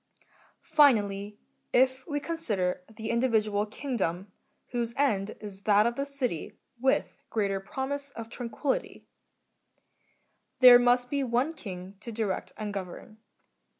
Finally, if we consider the individ ual kingdom, whose end is that of the city with greater promise of tranquillity, there must be one king to direct a n^ gnvern.